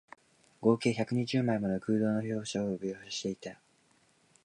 合計百二十枚もの空洞の表情を写していた